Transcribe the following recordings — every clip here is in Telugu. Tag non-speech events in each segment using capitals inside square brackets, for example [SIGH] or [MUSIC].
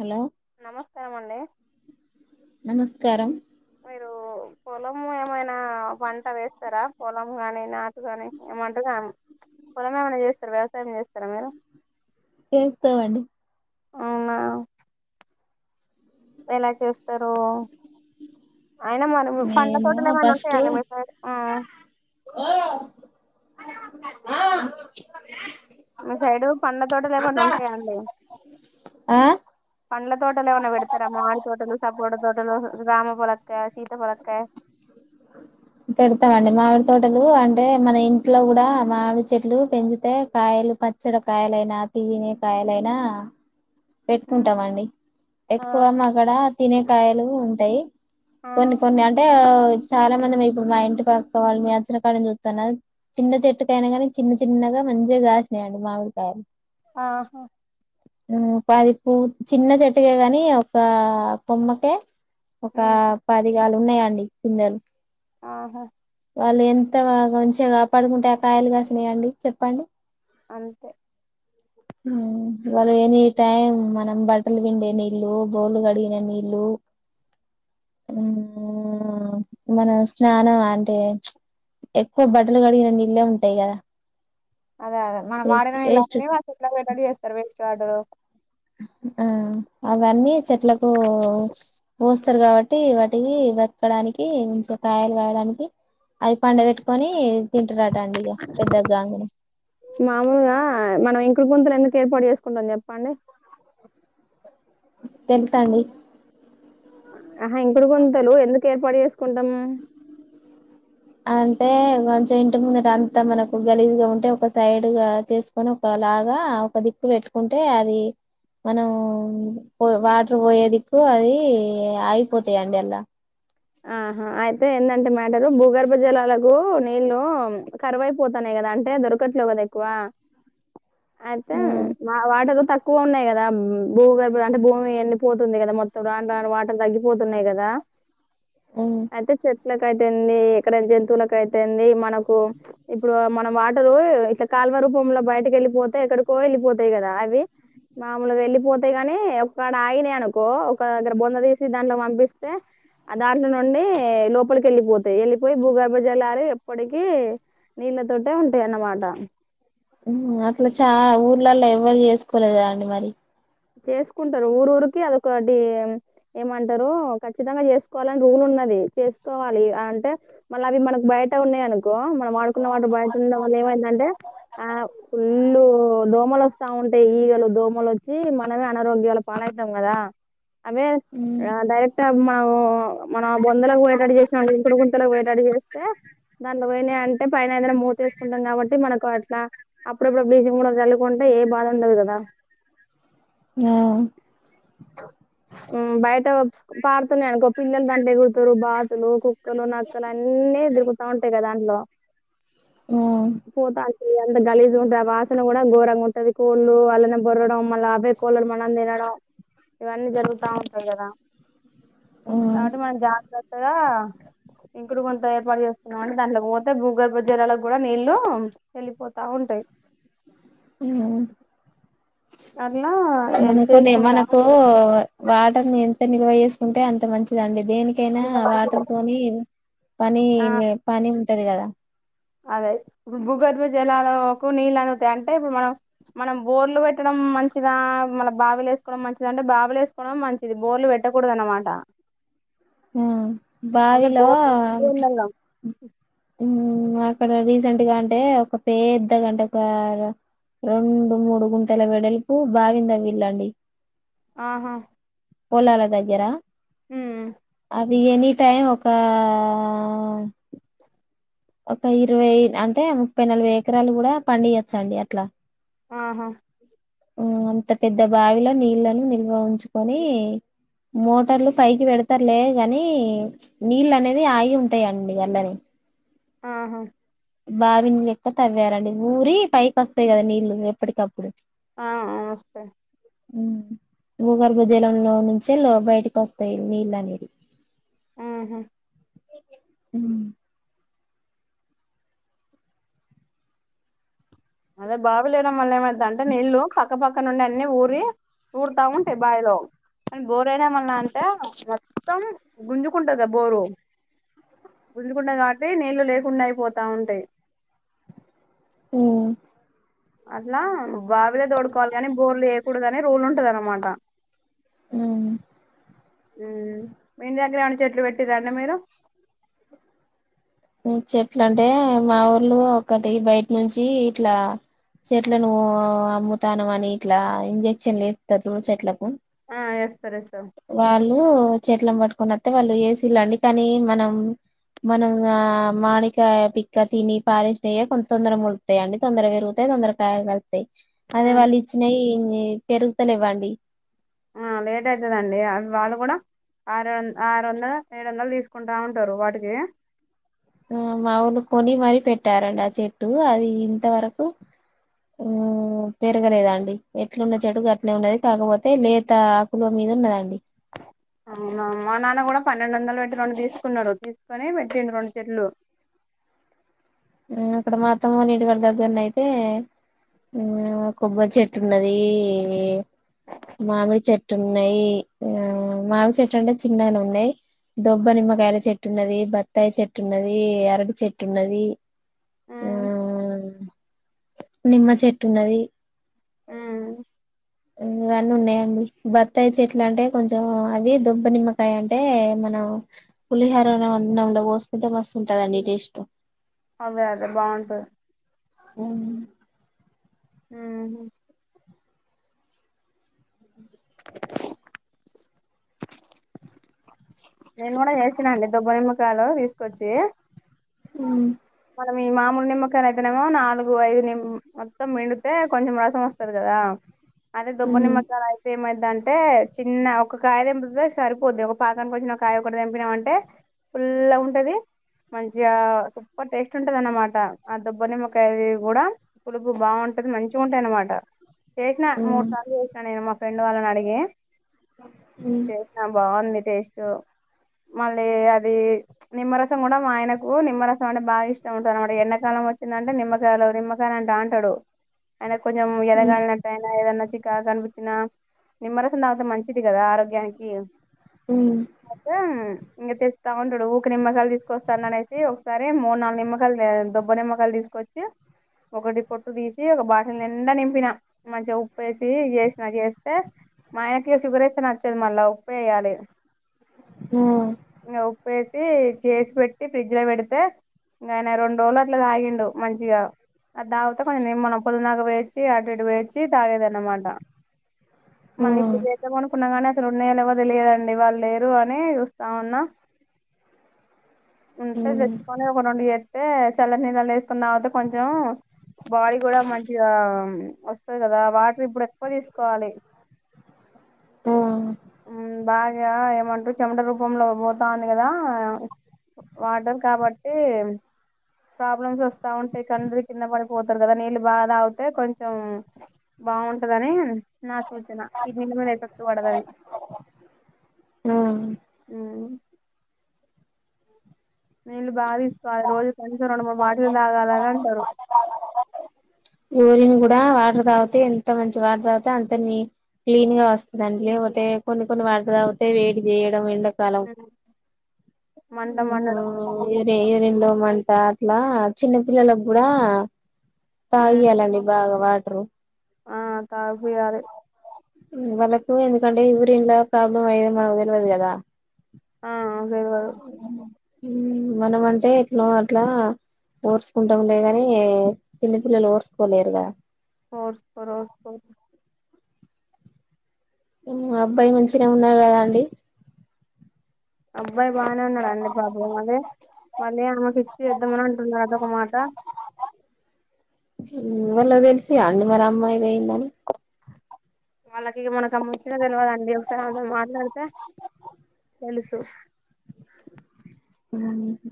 హలో [UNINTELLIGIBLE] నమస్కారం అండి నమస్కారం మీరు పొలము ఏమైనా పంట వేస్తారా, పొలము కాని నాటు కాని ఏమంట కా పొలం ఏమైనా చేస్తారా వ్యవసాయం చేస్తారా మీరు చేస్తామంది ఆవునా ఎలా చేస్తార అయినా మరి పడ్ మేము చోటలే ఏమన్నా ఫస్ట్ ఉంటాయాల ఆ మిసిడ్ ఉమ్ ఆ ఆ సైడ్ పండ్ల తోటలే ఏమన్నా ఉంటాయాండి ఆ పండ్ల తోటలు ఏమైన్నా పెడతారామ్ మాడి తోటలు సబ్గూడ తోటలు రామ పొలక్క సీత పొలక్క పెడతామండి మామిడి తోటలు అంటే మన ఇంట్లో కూడా మామిడి చెట్లు పెంచితే కాయలు పచ్చడి కాయలైనా తియిన కాయలైనా పెట్టుకుంటాం అండి ఎక్కువ ఆహా మా అక్కడ తినేకాయలు ఉంటాయి కొన్ని కొన్ని అంటే చాలా మంది ఇప్పుడు మా ఇంటి పక్క వాళ్ళు మీ అచ్చిన క్కడ చూస్తున్నా చిన్న చెట్టుకాయనా కానీ చిన్న చిన్నగా మంచిగాసినయండి మామిడికాయలు ఆహా ఉమ్ అది చి చిన్న చెట్టుకే గాని ఒక కొమ్మకే ఒక ఉమ్, పదివాల్ ఉన్నాయాండి పిండాల్ ఆహా వాళ్ళు ఎంతగా మంచిగా కాపాడుకుంటే ఆ కాయలుగాసినయంండి చెప్పండి అంతే ఉమ్ వారి ఎని టిమ్ మనం బట్టలు పిండే నీళ్ళ బోలు కడిగిన నీళ్ళు మనం స్నానం అంటే ఎక్కువ బట్టలు కడిగిన నీళ్ళే ఉంటాయి కదా అదే అదే మనం వేస్ట్ వాడిన ఇలా వేస్ట్ వా ఇట్లాటడి చేస్తారు వేస్ట్ చాడు ఆ అ ఇవన్నీ చెట్లకు పోఊస్తారు కాబట్టి టి ఒకటి వాటికి వెక్కడానికి కొంచ కాయలు కాయడానికి అవి పండ పెట్టుకొని తింటున్నటండి ఇక పెద్ద గంగిని మామూలుగా మనం ఇంకుడు గుంతలు ఎందుకు ఏర్పాటు చేసుకుంటాం చెప్పండి తెంతతాండి ఆహా ఇంపుడు గొంతలు ఎందుకు ఏర్పాటు చేసు కుంము టె కొంచెం ఇంటి ముందు అంతా మనకు గలిదుగా ఉంటే ఒక సైడ్గా చేసుకొని ఒక లాగా ఒక దిక్కు పెట్టుకుంటే అది మనం పో వాటర్ పోయే దిక్కు అది అయిపోతాయిండి అల్లా ఆహా అయితే ఏందంటే మ్యాటరు భూగర్భ జలాలకు నీళ్ళలు కరువైపోతాన్నాయి కదా అంటే దొరకట్లేవు కదా ఎక్కువ ఆయతే ఉమ్ వాటరు తక్ క్కువ ఉన్నాయి కదా భూగర్భం అంటే భూమి ఎన్ని పోతుంది కదా మొత్తం రాని రాని వాటర్ తగ్గిపోతున్నాయి కదా ఉమ్ అది చ లకయితేంది ఎక్కడ జంతువులక అయితేంది మనకు ఇప్పుడు మనం వాటరు ఇట్లా కాల్వ రూపంలో బయటకి వెళ్ళిపోతే ఎక్కడికో వెళ్ళిపోతాయి కదా అవి మాముూలుగా వెళ్ళిపోతాయి కాని ఒడ ఆయినాయి అనుకో ఒక దగ్గర బొంద తీసి దాంట్లో పంపిస్తే ఆ దాంట్లో నుండి లోపలికి వెళ్ళిపోతాయి వెళ్ళిపోయి భూగర్భ జలాలు ఎప్పటికి నీళ్ళతోటే ఉంటాయి అన్నమాట ఉమ్ అట్లా చాలా ఊర్లలో ఎవ్వలు చేసుకోలేదా అండి మరి చేసుకుంటారు ఊరు ఊరికి అదొకటి ఏమంటారు ఖచ్చితంగా చేసుకోవాలని రూల్ ఉన్నది చేసుకోవాలి అంటే మళ్ళ అవి మనకు బయట ఉన్నాయి అనుకో మనం ఆడుకున్న వాటి బయట ఉండ వల్ల ఏమైందంటే ఆ ఫుల్లు దోమలు వస్తా ఉంటాయి ఈగలు దోమలు ఈ ీ మనమే అనారోగ్యాల పాాలయితాం కదా అవే ఉమ్ డైరెక్ట్ మన మన బొంందలకు వోయేటట్టు చేసిన ఇంకుడు గుంతలకు వోయెటట్టు చేస్తే దాంట్లో పోయినాయి అంటే పైన ఏదైనా మూతేసుకుంటాం, కాబట్టి మనకు అట్లా అప్పుడప్పుడు బ్లీచింగ్ కూడా చల్లువుకుంటే ఏ బాధ ఉండదు కదా. ఆ హ్ బయట పారుతున్నాయి అనుకో పిల్లలు దాంట్లో ఎగురుతారు బాతులు కు కుక్కలు నక్కలు అన్నే తిరుగుతా ఉంటాయి కదా అలో హూ ఏ అంత గలీజ్ ఉంట ఆ వాసన కూడా గోరంగా ఉంటది కోళ్ళు అల్లనే బొర్లడం మళ్ళా అబే కోళ్లను మనం తినడం ఇవన్నీ జరుగుతా ఉంటాయి కదా కాబట్టి మన జాగ్రత్తగా ఇంకుడు గుంత ఏర్పాటు చేస్తున్నాం అని దాంట్లో కు పోతే భూగర్భ జలాలకు కూడా నీళ్ళు వెళ్ళిపో ఉమ్ అట్లా మనకు చేసుకుంటా మనకు ఉంటారు వాటని ఎంత నిల్వ చేసుకుంటే అంత తా మంచిదండి దేనికైనా అంత మంచిది వాటర్ తోని పని ఆ ఏం లే పని టది కదా అదే ఇప్పుడు భూగర్భ జలాలకు నీళ్ళు అందుతాయా, అంటే ఇప్పుడు మనం మనం బోర్లు పెట్టడం మంచిదా, మన బావిలు వేసుకోవడం మంచిద, అంటే బావిలు వేసుకోవడం మంచిది బోర్లు పెట్టకూడదు అనమాట. హూ బావిలో బోర్లు నీళ్ళలో హు ఆ ఇక్కడ రీసెంట్ గా అంటే ఒక పేద్దగా అంటే, ఒక రెండు మూడు గుంతెల వెడల్పు బావిం దవ్విల్ళండి ఆహా పోలాల దగ్గర హుమ్ అవి ఎనీ టైం ఒక ఆ.... ఒక ఇరవై అంటే ముప్పై నలభై ఎకరాలు కూడా పండియచ్చండి అట్ల ఆహా హు అంత పెద్ద బావిలో నీళ్లను నిల్వ ఉంచుకొని, మోటార్లు పైకి పెడతారులే గాని, నీళ్ళు అనేది ఆగి ఉంటాయండి అళ్లనే ఆహా బావిని లెక్క తవ్వారండి ఊరి పైకి వస్తాయి కదా, నీళ్ళు ఎప్పటికప్పుడు. ఆ వస్తయ్ భూగర్భ జలంలో నుంచే బయటకి వస్తాయి నీళ్ళు అనేది ఆహా హు అదే బావు లేయడం మళ్ళ ఏమయితు దంటే నీళ్ళు పక్క పక్కనున్న అన్ని ఊరి ఊర్ తా ఉంటే బావిలో అన్ బోరు అయినామన్నా అంటే మొత్తం గుంజుకుంటుందా బోరు, గుంజుకుంటది కాబట్టి నీళ్లు లేకుండా అయిపోతా ఉంటాయి. హ్మ్ అట్లా బావిలే దోడుకోవాలి కాని బోర్లు ఏయకూడదు అనే రూల్ ఉంటది అనమాట అవునా హుమ్ మీ ఇంటి దగ్గర ఏమన్న చెట్లు పెట్టిర్ర అండి మీరు చెట్ల అంటే మా ఊర్లో ఒకటి బయట నుంచి ఇట్లా చెట్లను అమ్ముతాను అని ఇట్లా ఇంజక్షన్లు ఏస్తారు చూడు చెట్లకు ఆ వేస్తారు వేస్తారు వాళ్ళు చెట్ల పట్టుకొనిస్తే వాళ్ళు ఏసీలుండి కానీ మనం మనం ఆ మామిడికాయ పిక్క తిని పారేసినేయే కొంత తొందరగా మొలుత్తయి అండి తొందర పెరుగుతాయి తొందరగా కాయలు అదే వాళ్లు ఇచ్చినయి పెరుగుతన్నాయి వానివి లేట్ అయితాదండి వాళ్ళు కూడా ఆరుంద ఆరు వందలు ఏడు వందలు తీసుకుంటా ఉంటారు వాటికి ఆ మ ఊర్లో కొని మరీ పెట్టారండి ఆ చెట్టు అది ఇంతవరకు హు పెరగలేదండి ఎట్లున్న చెడు అట్లే ఉన్నది కాకపోతే లేత ఆకుల మీద ఉన్నదండి. అవునా మా నాన్న కూడా పన్నెండు వందలు పెట్టి రెండు తీసుకున్నారు తీసుకొని పెట్టిండు రెండు చెట్లు ఆ అక్కడ మాత్రము నీటి వరి దగ్గరన అయితే ఆ కొబ్బరి చెట్టు ఉన్నది మామిడి చెట్టు ఉన్నాయి ఆ మామిడి చెట్టు అంటే చిన్నగాగా ఉన్నాయి దొబ్బ నిమ్మకాయల చెట్టు ఉన్నది బత్తాయి చెట్టు ఉన్నది ఆరటి చెట్టు ఉన్నది చ ఉమ్, నిమ్మ చెట్టున్నది ఉమ్, ఇవన్నీ ఉన్నాయండి. బత్తాయి చెట్లు అంటే కొంచెం అవి దుబ్బ నిమ్మకాయ అంటే, మనం పులిహోర అన్నంలో పోసుకుంటే మస్తుంటదండి టేస్ట్ అవే అదే బాగుంటది ఉహు నేను కూడా చేసినా అండి దుబ్బ నిమ్మకాలు తీసుకొచ్చి హు మన మామూలు నిమ్మకాయలు అయితేనేమో నాలుగు ఐదు నిమ్ మొత్తం పిండితే కొంచెం రసం వస్తాది కదా అదే దుబ్బ నిమ్మకాయలు అయితే మ దాం అంటే చిన్న ఒక కాయ తెంపితే సరిపోద్ది ఒక పాకానికి వచ్చిన ఒక కాయ కూడా తెంపినామ అంటే ఫుల్ ఉంటది మంచిగా టేస్ట్ ఉంటది అనమాట ఆ దుబ్బ నిమ్మకాయ కూడా పులుపు బాగుంటది మంచిగా ఉంటాయి అనమాట చేేసినా మూడు సార్లు చేసినా నేను మొ ఫ్రెండ్ వాళ్ళని అడిగి చేసినా బాగుంది టెస్ట్ టో మళ్ళీ అది నిమ్మరసం కూడా మా ఆయనకు నిమ్మర పోనీలే బాగ ఇష్టం అంట అన్నమాట ఎండకాలం వచ్చిందంటే నిమ్మకాయలు నిమ్మకాయలంటావుంటాడు ఆయన కొంచెం ఎదగాలినట్టు అయినా ఏదన్నా కే కనిపిచ్చిన నిమ్మరసం తాగుతే మంచిది కదా ఆరోగ్యానికి ఐతే ఇంక తెస్తా ఉంటడు ఊక నిమ్మకాయలు తీసుకొస్తాననేసి సరే మూడు నాలుగు నిమ్మకాలు తా దొబ్బ నిమ్మకాయలు తీసుకొచ్చి ఒకటి పొట్టు తీసి ఒక బాటిల్ నిండా నింపిన మంచిగా ఉప్పు వేసి చేసిన చేస్తే మా ఆయనకి షుగర్ ఏత్తే నచ్చదు మళ్ళ ఉప్పేయాలి ఇంగ ఉప్పేస్ టి చేసి పెట్టి ఫ్రిడ్జ్ లో పెడు తే ఇంక ఆయన రెండు రోజులు అట్లా తాగిండు మంచిగా అది తాగితే కొంచెం నిమ్మనం పొలినాక పొయ్యొచ్చి అటు ఇటు పోయొచ్చి తాగేది అనమాట మళ్ళీ ఇప్పుడు చేద్దామనుకున్నా కాని అసలున్నాయో లేవొ తెలియదండి వాళ్ళు లేేరు అని చూస్తా ఉన్నా ఉంటది చొచ్చుకొని ఒక రెండు చేత్ పే చల్ల నీళ్ళల్లో వేసుకొని తాగుతే కొంచెం బాడీ కూడా మంచిగా వస్తుది కదా వాటర్ ఇప్పుడు ఎక్కువ తీసుకోవాలి ఉమ్మ్ బా ఇ ఏమంటారు చెమట రూపంలో పోతాంది కదా వాటర్ కాబట్టి ప్రాబ్లమ్స్ వస్తా ఉంటాయి కళ్లు దిరిగి కింద పడిపోతారు కదా నీళ్ళు బాగ తాగితే కొంచం బాగుంటదని నా సూచన కిడ్నీల మీద ఎఫెక్ట్ పడదనే నీళ్లు బాగ దీస్ కాని రోజుకి కనీసం రెండు మూడు బాటిల్ తాగాలని అంటు స [UNINTELLIGIBLE] యూరిన్ కూడా వాటర్ తాగితే ఎంత మంచి వాటర్ తాగితే అంత నీ క్లీన్ గా వస్తుందండి లేకపోతే కొన్ని కొన్ని వాటర్ తాగితే వేడి చేయడం ఎండ కు ఉమ్. మంట మండడం వల్ల ాలరి ఏమైనా, యూరిన్ లొ మంట ట్లా చిన్న పిల్లలకు కూడా ఉమ్ తాగియ్యాలండి బాగా వాట్ ట్రు ఆ తాగుపియ్యాలె వాళ్ళకు ఎందుకంటే యూరిన్ ల ప్రాబ్లం అయ్యేది మనకు తెల్వదు కదా ఆ అదే కద మనం అంటే ఇట్లొ అట్లా ఓర్చుకుంటములే గాని చిన్న పిల్లలు ఓర్చకోలేరు గదా ఫర్స్ పరస్ పర్ [UNINTELLIGIBLE] ఉ అబ్బాయి మంచిగనే ఉన్నారు కదా అండి అబ్బాయి బాగానే ఉన్నాాడండి పాపం అద మళ్ళీ అమ్మకిిచ్చి చేద్దమని అంటున్నారు అదొక మాట వాళ్ళకి తెలిసి అండి మరి అమ్మాయి పోయిందని వాళ్ళకి మనకు ముచ్చట తెలవదండి ఒకసారి ఆమెతో మాట్లాడితే తెలుసు పోయిందని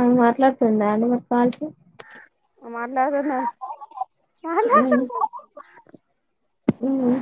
అ మాట్లాడుతుందా అంటే మాకు కాల్స్ అ మా అన్నా [INAUDIBLE] మ్మ్ మ్మ్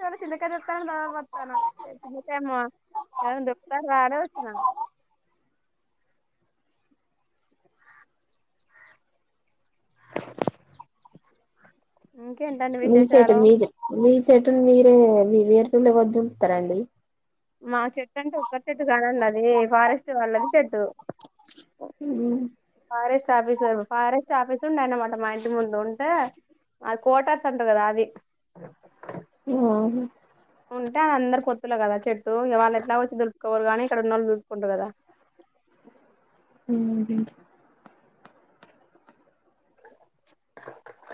చాల చిన్నకాయ చెతాను ద పస్తాను చిన్నకాయమో ఏైనా దొకుతను రాడ వచ్చినాను [UNINTELLIGIBLE] ఇంకేంటండి మీ చెట్ విశేషాలు మీదె మీ చెట్టును మీరే మీరు ఏరులు వదుంటతారండి మా చెట్టు అంటే ఒక్క చెట్టు కాదండి అది ఫారెస్ట్ వాళ్ళది చెట్టు హ ఫారెస్ట్ ఆఫీస్ ఫారెస్ట్ ఆఫీస్ ఉండే అన్నమాట మా ఇంటి ముందు ఉంటే అది కోటర్స్ అంటారు కదా అది ఆ ఉంటే అందరు పొత్తులొ కదా చెట్టు వాళ్ళు ఎట్లా వచ్చి దురుక్కకోవరు గానీ ఇక్కడ ఉన్నోళ్ళు దురుకుంటారు కదా అ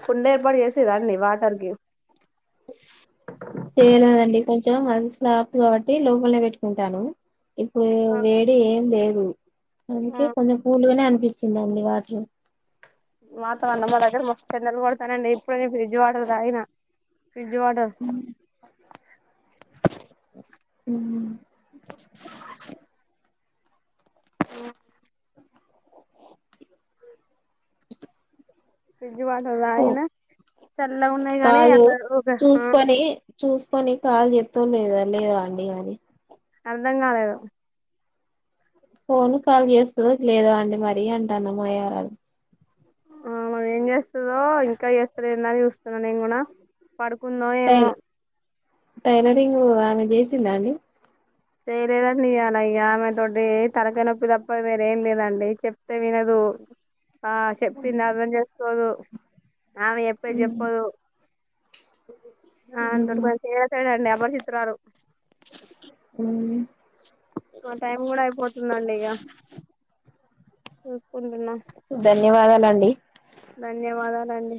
కుండ ఏర్పాటు చేసేదాన్ని వాటర్కి చేయలేదండి కొంచెం మనసుక్ కాబట్టి లోపలనే పెట్టుకుంటాను ఇప్పుడు ఆ, వేరే ఏం లేదు ఉ ఆ, అందుకే కొంచెం కూలుగానే అనిపిస్తుింది అండి వాట్లు మాతమన్న మా దగ్గర మొ పిందలు కొడతానండి ఇప్పుడు నేను ఫ్రిడ్జ్ వాడర్ దాగిన ఫ్జ్రజ్ వాటర్ ఉం ఓ ఫ్రిడ్జ్ వాట ఓ రాయినా చల్లగున్నయి గనీ అ కాలు ఒక చూసుకొని చూసుకొని కాలు చెత్తవ లేదా లేదా అండి అది అర్థం కాలేదు ఫోన్ కాల్ చేస్తుంది లేదా అండి మర అంటాన్నా మా యారాలు ఆమె ఏం చేస్తదో ఇంకా చేస్తలేందని చూస్తున్నా నేను కూడా పడుకుందో ఏమో టైలరింగ్ ఆమె చేసిందాండి చేయలేదండి ఇయ్యాల ఇక ఆమెతోటి తలకాయ నొప్పి తప్ప వేరేం లేదండి చెప్తే వినదు ఆ చెప్పింది అర్థం చేసుకోదు ఆమె చెప్పేది చెప్పదు అ తతాడండి వశిత్రారు [UNINTELLIGIBLE] ఆ టైం గూడ అయిపోతుందండి ఇగ చూసుకుంటున్నా ధన్యవాదాలండి ధన్యవాదాలండి